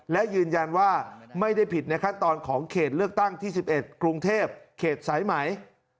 และยืนยันว่าไม่ได้ผิดในขั้นตอนของเขตเลือกตั้งที่๑๑กรุงเทพเขตสายไหม